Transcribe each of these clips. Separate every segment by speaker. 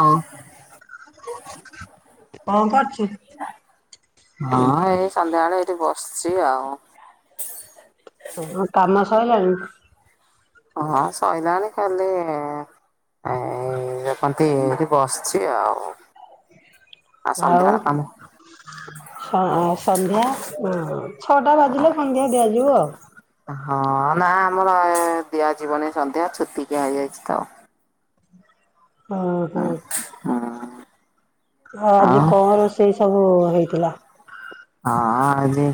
Speaker 1: ହଉ।
Speaker 2: କଣ କରଛୁ?
Speaker 1: ହଁ, ଏଇ ସନ୍ଧ୍ୟାବେଳେ ଏଇଠି ବସିଛି ଆଉ।
Speaker 2: ତମ କାମ ସଇଲାଣି?
Speaker 1: ହଁ, ସଇଲାଣି ଖାଲି ଆଁ [unintelligible] ଏଠି ବସିଛି ଆଉ। ଆଉ ସନ୍ଧ୍ୟାବେଳ କାମ
Speaker 2: ସ ସନ୍ଧ୍ୟା ଛଅଟା ବାଜିଲେ, ସନ୍ଧ୍ୟା ଦିଆଯିବ ଆଉ।
Speaker 1: ହଁ- ନାଁ ଆମର ଏ ଦିଆଯିବନି ସନ୍ଧ୍ୟା, ଛୁତିକିଆ ହେଇଯାଇଛି ତ।
Speaker 2: ଓ ହୋ। ହଁ ଆଜି
Speaker 1: ଆଉ
Speaker 2: କଣ ରୋଷଇ ସବୁ ହେଇଥିଲା?
Speaker 1: ହଁ ଏ ଯୋଉ,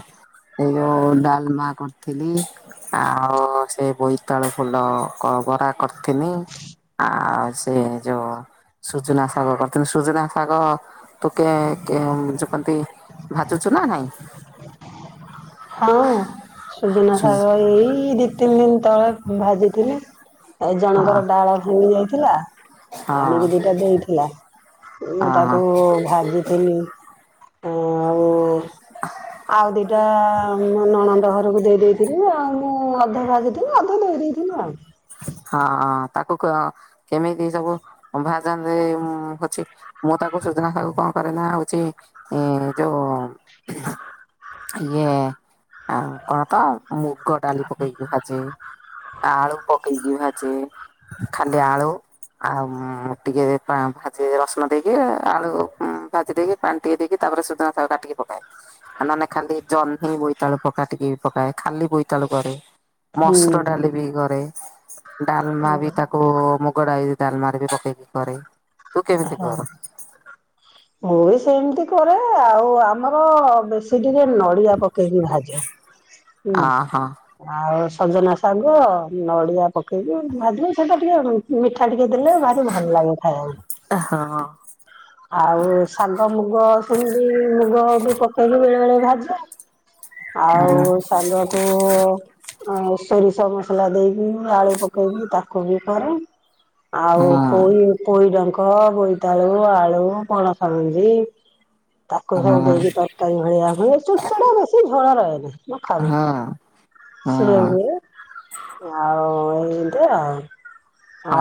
Speaker 1: ଏ ଯୋଉ ଡାଲମା କରିଥିଲି। ଆଉ ସେ ବୋଇତାଳୁ ଫୁଲ କ ବରା କରିିଥିନି। ଆଉ ସେ ଯୋଉ ସୁଜନା ଶାଗ କରିଥିଲି, ସୁଜନା ଶାଗ ତୁ କେ କେ ଯୋଉ କନ୍ତି [unintelligible] ନା ନାଇଁ।
Speaker 2: ହୁଁ ସୁଜୁନା
Speaker 1: ସୁ
Speaker 2: ଶାଗ ଏଇ ଦି ତିନି ଦିନ ତଳେ ଭାଜିଥିଲି। ଆଉ
Speaker 1: ହଁ
Speaker 2: ଜଣଙ୍କର ଡାଳ ଭାଙ୍ଗି ଯାଇଥିଲା, ଆଣିକି
Speaker 1: ହଁ
Speaker 2: ଦିଟା ଦେଇଥିଲା। ମୁଁ
Speaker 1: ହଁ
Speaker 2: ତାକୁ ଭାଜି [unintelligible] ଆଉ ଆଉ ଦିଟା ନଣ ନ୍ଦ ଘରକୁ ଦେଇ ଦେଇଥିଲି, ଆଉ ମୁଁ ଅଧେ ଭାଜିଥିଲି ଅଧେ ଦେଇ ଦେଇଥିଲି ଆଉ।
Speaker 1: ହଁ- ଅଁ ତାକୁ କ କେମିତି ସବୁ ଭାଜନ୍ତି ହଉଚି ମୁଁ ତାକୁ ସୁଜନା ଶାଗକୁ କଣ କଲି ନା, ହଉଚି ଉଁ ଯୋଉ ଇଏ ଆ କଣ ତ ମୁଗ ଡାଲି ପକେଇକି ଭାଜେ, ଆଳୁ ପ କେଇକି ଭାଜେ, ଖାଲି ଆଳୁ ଆଉଁ ଟିକେ ଭାଜି ରସୁଣ ଦେଇକି, ଆଳୁ ଭାଜି ଦେଇକି ପାଣି ଟିକେ ଦେଇକି, ତାପରେ ସୁଜନା ଶାଗ କାଟିକି ପକାଏ। ନଅନେ ଖାଲି ଜହ୍ନିଁ ବୋଇତାଳୁ ପକା ଟିକେ ପକାଏ, ଖାଲି ବୋଇତାଳୁ କରେ
Speaker 2: ହୁଁ
Speaker 1: ମସୁର ଡାଲି ଦେଇ କରେ, ଡାଲମା ବି ତା କୁ ମୁଗ ଡାଇ ଡାଲମାରେ ବି ପକେଇକି କରେ। ତୁ କେମିତି
Speaker 2: ହଁ।
Speaker 1: କର
Speaker 2: ମୁଁ ବି ସେମିତି କରେ, ଆଉ ଆମର ବେଶୀ ଟିକେ ନ ଡିଆ ପକେଇକି ଭାଜେ ହୁଁ।
Speaker 1: ଅ ହଁ
Speaker 2: ଆଉ ସଜନା ଶାଗ, ନଡିଆ ପକେଇକି ଭାଜିଲେ ସେଇଟା ଟିକେ ମିଠା ଟିକେ ଦେଲେ, ଭାରି ଭଲ ଲାଗେ ଖାଇଆକୁ।
Speaker 1: ହଁ।
Speaker 2: ଆଉ ଶାଗ ମୁଗ ସେମିତି ମୁଗ ବି ପକେଇକି ବେଳେ ବେଳେ ଭାଜେ। ଆଉ ସାଗକୁ ଆଉ ସୋରିଷ ମସଲା ଦେଇକି ଆଳୁ ପକେଇକି ତାକୁ ବି କରେ। ଆଉ
Speaker 1: ହଁ
Speaker 2: ପୋଇ ପୋଇଡଙ୍କ ବୋଇତାଳୁ ଆଳୁ ପଣସ ମଞ୍ଜି ତାକୁ ସବୁ
Speaker 1: ହଁ
Speaker 2: ଦେଇକି ତରକାରୀ ଭଳିଆ ହୁଏ। [unintelligible] ବେଶୀ ଝୋଳ ରହେନି। ମୁଁ
Speaker 1: ହଁ
Speaker 2: ଖାଉଚି ସିଏ
Speaker 1: ହଁ।
Speaker 2: ହୁଏ। ଆଉ ଏମତି ଆଉ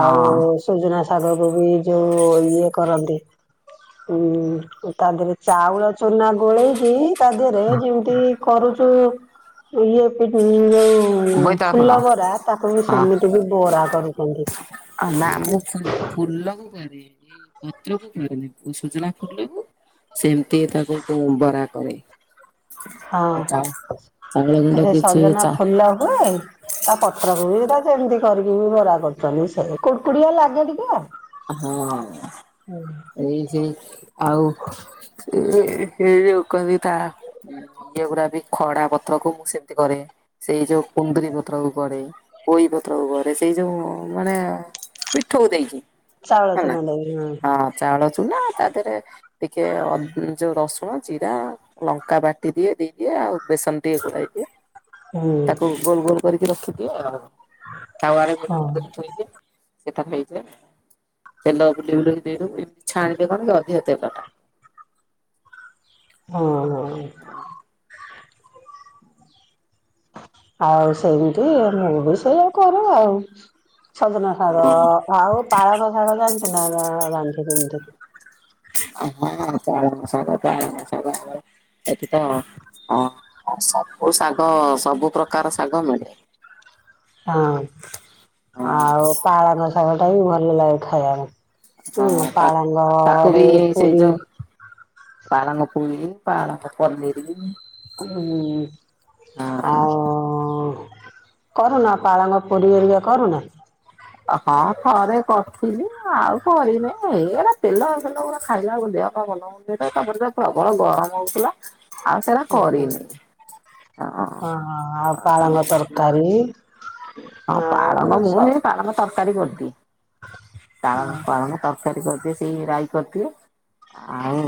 Speaker 2: ଆଉ ସୁଜୁନା ଶାଗ କୋବି ଯୋଉ ଇଏ କରନ୍ତି। ହୁଁ ତା ଦେହରେ ଚାଉଳ ଚୁନା ଗୋଳେଇକି ତା ଦେହରେ ଯେମିତି କରୁଛୁ ଇଏ ଯୋଉ ଫୁଲ ବରା ତାକୁ ବି ସେମିତି ବି ବରା କରୁଚନ୍ତି।
Speaker 1: ଅ ନା ମୁଁ ଫୁଲ୍ ଫୁଲ କୁ କହି ଦେବି। ପତ୍ରକୁ କରନ୍ତି। ଏ ସଜନା ଫୁଲକୁ ସେମିତି ତାକୁ କୁ ବରା କରେ। ଚା
Speaker 2: ହଁ
Speaker 1: ଚାଉଳ ଗୁଣ୍ଡ
Speaker 2: ସେ
Speaker 1: କିଛି
Speaker 2: ସଜନା
Speaker 1: ଚା
Speaker 2: ଫୁଲ ହୁଏ। ତା ପତ୍ରକୁ ହୁଏ। ତ ସେମିତି କରିକି ବି ବରା କରୁଛନ୍ତି। ସେ କୁକୁଡିଆ ଲାଗେ ଟିକେ।
Speaker 1: ହଁ। ଏଇ ସେଇ ଆଉ ଯୋଉ କହନ୍ତି ତା ଇଏ ଗୁଡା ବି ଖଡା ପଥରକୁ ମୁଁ ସେମିତି କରେ। ସେଇ ଯୋଉ କୁନ୍ଦୁରି ପତ୍ରକୁ କରେ। ପୋଇ ପତ୍ରକୁ କରେ। ସେଇ ଯୋଉ ମାନେ ପିଠଉ ଦେଇକି।
Speaker 2: ଚାଉଳ
Speaker 1: ହେଲା
Speaker 2: ଚୂନା ଦେଇକି ହଁ।
Speaker 1: ଚାଉଳ ଚୁନା ତା ତିରେ ଟିକେ ଯୋଉ ରସୁଣ ଜିରା। ଲଙ୍କା ବାଟି ଦିଏ। ଦେଇଦିଏ ଆଉ ବେସନ ଟିକେ ଗୋଳାଇ ଦିଏ।
Speaker 2: ହୁଁ
Speaker 1: ତାକୁ ଗୋଲ ଗୋଲ କରିକି ରଖିଦିଏ ଆଉ। ତାୱାରେ ଗୋଲ
Speaker 2: ହଁ।
Speaker 1: ଗୋଲ କରି ଥୋଇ ସେଟା ହେଇଯାଏ। ତେଲ ବୁଲି ବୁଲିକି ଦେଇଦେବୁ। ଏମିତି ଛାଣିଲେ କଣ କି ଅଧିକ ତେଲ ଟାଣେ।
Speaker 2: ହଁ ହଁ।
Speaker 1: ହଁ।
Speaker 2: ଆଉ ସେମିତି ମୁଁ ବି ସେଇଆ କରେ ଆଉ। ସଜନା ସାଗ ଆଉ ପାଳଙ୍ଗ ସାଗ ଜାଣିଛୁ ନା ରାଣିଛି ଯେମିତି।
Speaker 1: ଆ ହଁ ଚାଳଙ୍ଗ ଶାଗ ଚାଳଙ୍ଗ ଶାଗ ହୁଏ। ଏଠି ତ ସବୁ ଶାଗ ସବୁ ପ୍ରକାର ଶାଗ ମିଳେ।
Speaker 2: ହଁ
Speaker 1: ହଁ
Speaker 2: ଆଉ ପାଳଙ୍ଗ ସାଗଟା ବି ଭଲ ଲାଗେ ଖାଇବାକୁ।
Speaker 1: ହଁ
Speaker 2: ହୁଁ
Speaker 1: ତା ତାକୁ
Speaker 2: ପାଳଙ୍ଗରେ
Speaker 1: ବି ସେଇ
Speaker 2: ପୁରୀ
Speaker 1: ଯୋଉ ପାଳଙ୍ଗ ପୁରି ପାଳଙ୍ଗ ପନିରି।
Speaker 2: ହୁଁ
Speaker 1: ହଁ
Speaker 2: ଆଉ। କରୁନ ପାଳଙ୍ଗ ପୁରି ଏରିକା କରୁନ।
Speaker 1: ହଁ ଥରେ କରିଥିଲି। ଆଉ କରିନି ଏଇ ଉରା ତେଲ ତେଲ ଗୁରା ଖାଇଲା ବେଳକୁ ଦେହ ପା ଭଲ ମନ୍ଦ ହୁଏ। ତାପରେ ପ୍ରବଳ ଗରମ ହଉଥିଲା। ଆଉ ସେଇରା
Speaker 2: ହଁ
Speaker 1: କରିନି।
Speaker 2: କଲି।
Speaker 1: ହଁ ପାଳଙ୍ଗ ମୁଁ ହେଇ ପାଳଙ୍ଗ ତରକାରୀ କରିଥିଲି। ପାଳନ ପାଳନ। ତରକାରୀ କରିଦିଏ। ସେଇ ରାଇ କରିଦିଏ। ଆଉ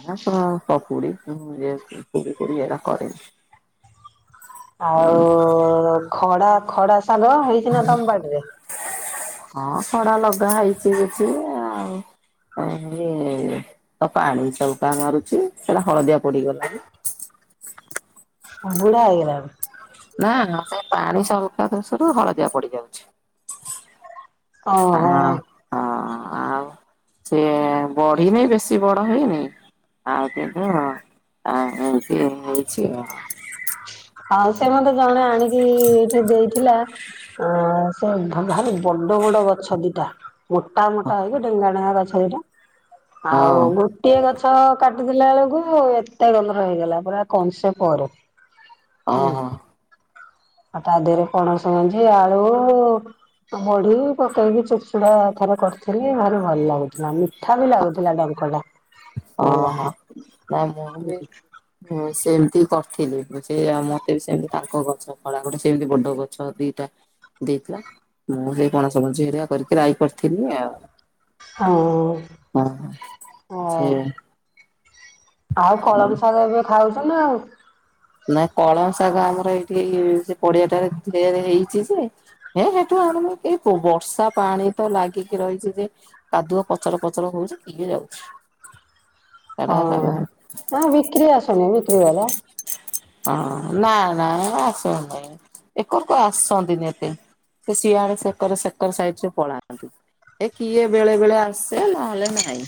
Speaker 1: ଏରା ପ୍ର ପକୁଡି ପୁରି ଫୁରୀ ଏରା କରିନି।
Speaker 2: ଆଉ ଖଡା ଖଡା ଶାଗ ହେଇଛି ନା ତମ ବାଡିରେ।
Speaker 1: ହଁ ଖଡା ଲଗା ହେଇଛି କିଛି। ଆଉ ଆ ହେଇ ତ ପାଣି ସଉକା ମାରୁଛି। ସେଇଟା ହଳଦିଆ ପଡିଗଲାଣି।
Speaker 2: ବୁଢା ହେଇଗଲାଣି।
Speaker 1: ନା ନା ସେ ପାଣି ସକା ଦୋଷରୁ ହଳଦିଆ ପଡିଯାଉଛି।
Speaker 2: ଓହୋ
Speaker 1: ହଁ ହଁ ଆଉ ସେ ବଢି ନାଇଁ ବେଶୀ ବଡ ହେଇନି। ଆଉ କିନ୍ତୁ ଏମତି ହେଇଛି
Speaker 2: ଆଉ ସେ ମତେ ଜଣେ ଆଣିକି ଏଠି ଦେଇଥିଲା। ଆ ସେ ଭାରି ବଡ ବଡ ଗଛ ଦିଟା। ମୋଟା ମୋଟା ହେଇକି ଡେଙ୍ଗା ଡେଙ୍ଗା ଗଛ ଦିଟା
Speaker 1: ହଁ
Speaker 2: ଆଉ ଗୋଟିଏ ଗଛ କାଟିଦେଲା ବେଳକୁ ଏତେ ଗନ୍ଧର ହେଇଗଲା ପୁରା କଂସେ ପରେ
Speaker 1: ଅ
Speaker 2: ହୁଁ
Speaker 1: ହ।
Speaker 2: ଆଉ ତା ଦେହରେ ପଣସ ମଞ୍ଜି ଆଳୁ ବଢି ପକେଇକି ଚୋୁର ଚୁଡା ଥରେ କରିଥିଲି ଭାରି ଭଲ ଲାଗୁଥିଲା ଠାବି ଲାଗୁଥିଲା ଡଙ୍କଟା
Speaker 1: ଅଂହୋ
Speaker 2: ଭଲ।
Speaker 1: ତ ମୁଁ ବି ହୁଁ ସେମିତି କରିଥିଲି ସେଉ ମତେ ବି ସେମିତି ତାଙ୍କ ଗଛ କଳା ଗଟେ ସେମିତି ବଡ ଗଛ ଦିଟା ଦେଇଥିଲା ମୁଁ ସେଇ ପଣସ ମଞ୍ଜି ହରିକା କରି ରାଇ କରିଥିଲି ଆଉ
Speaker 2: ଆଉ
Speaker 1: ହଁ ହ
Speaker 2: ଆଉ କଳମ ଶାଗ ଏବେ ଖାଉଛ ନା ଆଉ
Speaker 1: ନା କଳ ଶାଗ ଆମର ଏଇଠିକି ସେ ପଡିଆଟାରେ ହେଇଛି ସେ ହେଁ ସେଠୁ ଆଣ ଏ ବର୍ଷା ପାଣି ତ ଲାଗିକି ରହିଛି ଯେ କାଦୁଅ ପଚର ପଚର ହଉଛି କିଏ ଯାଉଛି ସେଟା ଶାଗ
Speaker 2: ହଁ [inaudible] ବିକ୍ରି ଆସୁନି ବିକ୍ରିବାଲା।
Speaker 1: ହଁ ନା ନା ଆସିବାର ନାହି। ଏକରକୁ ଆସନ୍ତିନି ଏତେ, ସେ ସିଆଡେ ସେକର ସେକର ସାଇଡରେ ପଳାନ୍ତି। ଏ କିଏ ବେଳେବେଳେ ଆସେ ନହେଲେ ନାହିଁ।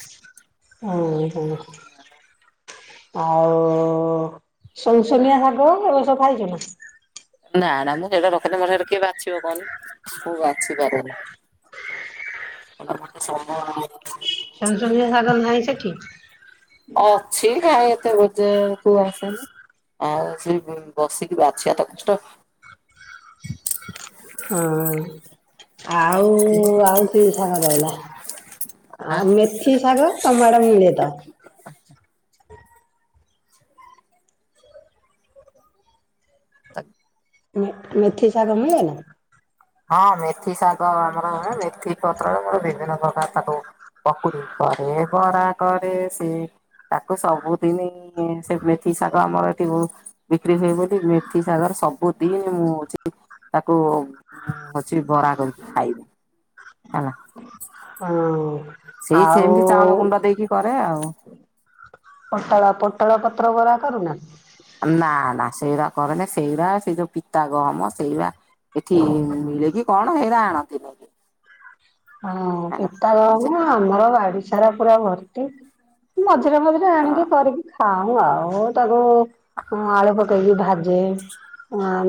Speaker 2: ହଁ ହଁ। ଆଉ ଶୁନଶୁନିଆ ଶାଗ ଏ ସବୁ ପାଇଛୁ ନା।
Speaker 1: ନା ନା ମୁଁ ସେଇଟା ରଖନେ ମୋର କିଏ ବାଛିବ କହନି, ମୁଁ ବାଛି ପାରେନି। ମୋତେ ସମୟ ନାଇଁ।
Speaker 2: ସୁନସୁନିଆ ଶାଗ ନାହିଁ ସେଠି।
Speaker 1: ଅଛିି କାଇଁ ଏତେ ବଜାରକୁ ଆସେନି। ଆଉ ସେ ବସିକି ବାଛିବା ତ କଷ୍ଟ
Speaker 2: ହଁ। ଆଉ ଆଉ କି ଶାଗ ରହିଲା। ଆମେ କି ଶାଗ ତମଆଡେ ମିଳେ ତ।
Speaker 1: ତ
Speaker 2: ମେଥି ଶାଗ ମିଳେନା।
Speaker 1: ହଁ ମେଥି ଶାଗ ଆ ଆମର ମେଥି ପତ୍ରରେ ଆମର ବିଭିନ୍ନ ପ୍ରକାର ଶାଗ ହୁଏ। ପକୁଡ଼ି କରେ, ବରା କରେ। ତାକୁ ସବୁଦିନ ହିଁ ସେ ମେଥି ଶାଗ ଆମର ଏଠି ବହୁତ୍ ବିକ୍ରି ହୁଏ ବୋଲି ମେଥି ଶାଗର ସବୁ ଦିନି ମୁଁ ହଉଛି ତାକୁ ଅଛି ବରା କରିକି ଖାଇବି ହେଲା।
Speaker 2: ହଁ।
Speaker 1: ସେଇ
Speaker 2: ଆଉ
Speaker 1: ସେମିତି ଚାଉଳ ଗୁଣ୍ଡ ଦେଇକି କରେ ଆଉ
Speaker 2: ପୋଟଳ ପୋଟଳ ପତ୍ର ବରା କରୁନା।
Speaker 1: ନା ନା ସେଇଟା କରେନି, ସେଇଟା ସେଇ ଯୋଉ ପିତା ଗହମ ସେଇଟା ଏଠି ମିଳେ କିି କଣ ହେରା ଆଣନ୍ତିନି।
Speaker 2: ହଁ ପିତାର
Speaker 1: ହଁ
Speaker 2: ଆମର ବାଡିସାରା ପୁରା ଭର୍ତ୍ତି। ମଝିରେ ମଝିରେ ଆଣିକି କରିକି ଖାଉ ଆଉ ତାକୁ ହଁ ଆଳୁ ପକେଇକି ଭାଜେ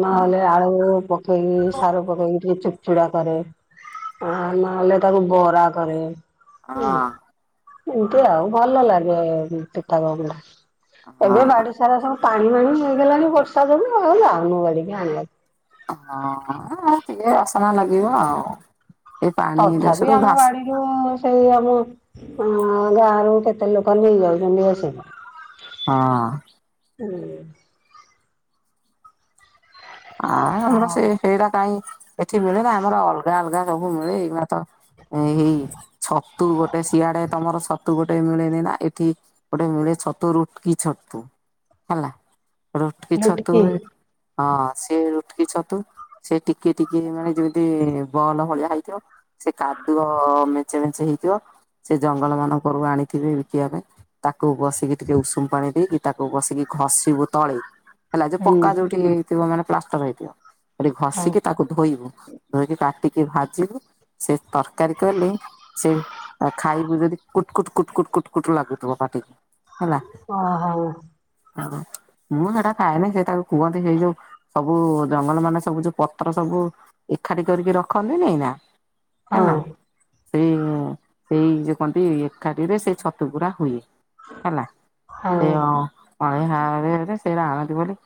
Speaker 2: ନହେଲେ ଆଳୁ ପକେଇକି ସାରୁ ପକେଇକି ଟିକେ ଚୁପ ଚୁଡା କରେ ଆ ନହେଲେ ତାକୁ ବରା କରେ
Speaker 1: ହଁ।
Speaker 2: ଏମିତି ଆଉ ଭଲ ଲାଗେ ପିଠା ଗୁଡା ଏବେ
Speaker 1: ହଁ।
Speaker 2: ବାଡି ସେରା ସବୁ ଟାଣି ମାଣି ହେଇଗଲାଣି ବର୍ଷା ଯୋଗୁଁ ଆଉ ଯାଉନୁ ବାଡ଼ିକି ଆଣିବାକୁ।
Speaker 1: ହଁ ଟିକେ ଅସନା ଲାଗିବ ଆଉ ଏଇ ପାଣି ଦୋଷ ରୁୁ ଘାସ
Speaker 2: ମୁଁ ସେଇ ଆମ ହୁଁ ଗାଁ ରୁ କେତେ ଲୋକ ନେଇଯାଉଛନ୍ତି ଆସି
Speaker 1: ହଁ।
Speaker 2: ହୁଁ।
Speaker 1: ଆ ଇ ଆମର
Speaker 2: ହଁ
Speaker 1: ସେ ସେଇରା କାହିଁ ଏଠି ମିଳେନା ଆମର ଅଲଗା ଅଲଗା ସବୁ ମିଳେ, ଏଇନା ତ ଏଇ ହେଇ ଛତୁ ଗୋଟେ ସିଆଡେ ତମର ସ ତୁ ଗୋଟେ ମିଳେନି ନା ଏଠି ଗୋଟେ ମିଳେ ଛତୁ ରୁଟକି ଛତୁ ହେଲା। ରୁଟକି ଛତୁ
Speaker 2: ଲୁଟିକି
Speaker 1: ହେ। ହଁ ସିଏ ରୁଟକି ଛତୁ। ସେ ଟିକେ ଟିକେ ମାନେ ଯେମିତି ବଲ ଭଳିଆ ହେଇଥିବ। ସେ କାଦୁଅ ମେଞ୍ଚେ ମେଞ୍ଚେ ହେଇଥିବ। ସେ ଜଙ୍ଗଲ ମାନଙ୍କରୁ ଆଣିଥିବେ, ବିକିବା ପାଇଁ ତାକୁ ବସିକି ଟିକେ ଉଷୁମ ପାଣି ଦେଇକି ତାକୁ ବସିକି ଘଷିବୁ ତଳେ, ହେଲା ଯୋଉ
Speaker 2: ହୁଁ
Speaker 1: ପକ୍କା ଯୋଉଠି ହେଇଥିବ ମାନେ ପ୍ଲାଷ୍ଟର ହେଇଥିବ
Speaker 2: ହଉ
Speaker 1: ଘଷିକି ତାକୁ ଧୋଇବୁ, ଧୋଇକି କାଟିକି ଭାଜିବୁ ସେ ତରକାରୀ କଲେ ସେ ଖାଇବୁ ଯଦି କୁଟ କୁଟ କୁଟ କୁଟ କୁଟ ଲାଗୁଥିବ, ପାଟିକି ହେଲା।
Speaker 2: ଅହ।
Speaker 1: ମୁଁ ସେଇଟା ଖାଏନି ସେ ତାକୁ କୁହନ୍ତି ହେଇ ଯୋଉ ସବୁ ଜଙ୍ଗଲ ମାନେ ସବୁ ଯୋଉ ପତ୍ର ସବୁ ଏକାଠି କରିକି ରଖନ୍ତିନି ନା
Speaker 2: ହଁ
Speaker 1: ହେଲା ସେଇ ସେଇ ଯୁ କହନ୍ତି ଏକାଠିରେ ସେଇ ଛତୁ ଗୁଡା ହୁଏ। ହେଲା
Speaker 2: ହଁ
Speaker 1: ସେ ଅ ପାଣି [inaudible] ସେଇଟା ଆଣନ୍ତି ବୋଲି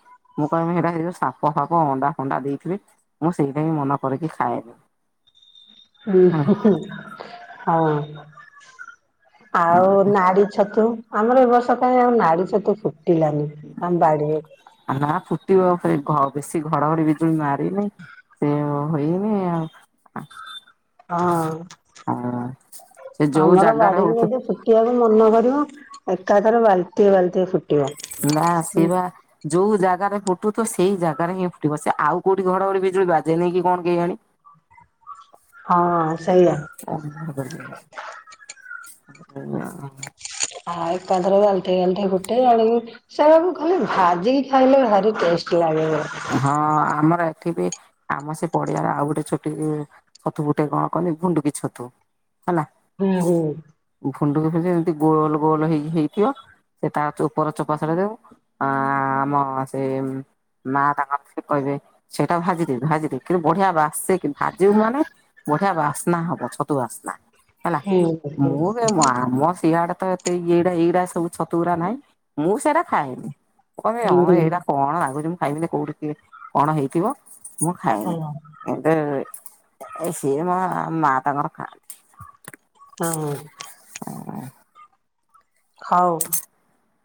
Speaker 1: ମୁଁ କହିବି ସେଇଟା ହେଇ [unintelligible] ସାପ ଫାପ ଅଣ୍ଡା ଫଣ୍ଡା ଦେଇଥିବେ ମୁଁ ସେଇଟା ହଁି ମନ କରିକି ଖାଏନି।
Speaker 2: ଉଁ
Speaker 1: ହେଲା
Speaker 2: ହଁୁ ହଁୁ ହଁ। ଆଉ ନାଡି ଛତୁ ଆମର ଏ ବର୍ଷ କାହିଁ ଆଉ ନାଡି ଛତୁ ଫୁଟିଲାନି ଆମ ବାଡିରେ।
Speaker 1: ନା ଫୁଟିବ ଘ ବେଶି ଘଡଘଡି ବିଜୁଳି ମାରିନି। ସେ ହୋଇନି ଆଉ
Speaker 2: ହଁ
Speaker 1: ଆଉ ସେ ଯୋଉ
Speaker 2: ଆମର
Speaker 1: ଜାଗାରେ
Speaker 2: ବାଡିରୁ
Speaker 1: ହଉଥିବ
Speaker 2: ଯଦି ଫୁ ଫୁଟିବାକୁ ମନ କରିବ ଏକାଥରେ ବାଲଟିଏ ବାଲଟି ଏ ଫୁଟିବ।
Speaker 1: ନା ଆସିବା ଯୋଉ ଜାଗାରେ ଫୁଟୁଥିବ ସେଇ ଜାଗାରେ ହିଁ ଫୁଟିବ ସେ ଆଉ କୋଉଠି ଘଡଘଡି ବିଜୁଳି ବାଜେ ନିକି କଣ କେଜାଣି?
Speaker 2: ହଁ ସେଇଆ
Speaker 1: [inaudible]
Speaker 2: ହଁ ଏକାଥରେ ଘାଣ୍ଟିଏ ଘାଣ୍ଟିଏ ଫୁଟେ ଆଣିକି ସେଇଆ କୁ ଖାଲି ଭାଜିିକି ଖାଇଲେ ଭାରି ଟେଷ୍ଟ ଲାଗେ।
Speaker 1: ହଁ ଆମର ଏଠି ବି ଆମ ସେ ପଡିଆର ଆଉ ଗୋଟେ ଛୋଟି ବି ଛତୁ ଗୁଟେ କଣ କହନି ଭୁଣ୍ଡୁକି ଛତୁ ହେଲା।
Speaker 2: ହୁଁ ହୁଁ।
Speaker 1: ଫୁଣ୍ଡୁକି ଭୁଜି ଏମିତି ଗୋଲ ଗୋଲ ହେଇକି ହେଇଥିବ। ସେ ତା ଉପର ଚୋପା ଛଡେଇଦେବ ଆ ଆମ ସେ ମା ତାଙ୍କର କହିବେ ସେଇଟା ଭାଜିଦେ ଭାଜିଦେ କିନ୍ତୁ ବଢିଆ ବାସେ କି ଭାଜିବୁ ମାନେ ବଢିଆ ବାସ୍ନା ହବ ଛତୁ ବାସ୍ନା ହେଲା
Speaker 2: ହୁଁ ହୁଁ
Speaker 1: ମୁଁ ଆମ ସିଆଡେ ଏ ତେ ଏଇଡା ଏଇଡା ସବୁ ଛତୁୁଗୁରା ନାଇଁ ମୁଁ ସେଇଟା ଖାଏନି କହେ
Speaker 2: ହୁଁ
Speaker 1: ହଁ
Speaker 2: ହୁଁ
Speaker 1: ଏଇଡା କଣ ଲାଗୁଛି ମୁଁ ଖାଇବିନି କୋଉଠି କିଏ କଣ ହେଇଥିବ ମୁଁ ଖାଏନି।
Speaker 2: ଭଲ
Speaker 1: ଏବେ ସେ ମା ମା ତାଙ୍କର ଖାନ୍ତି।
Speaker 2: ହଁ ହଁ।
Speaker 1: ହ। [inaudible]
Speaker 2: ହଉ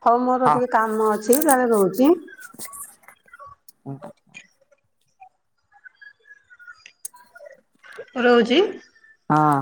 Speaker 2: ହଉ, ମୋର ଟିକେ କାମ ଅଛି ତାହେଲେ ରହୁଛି।
Speaker 1: କନ୍ତ। [inaudible]
Speaker 2: ରହୁଛି।
Speaker 1: ହଁ।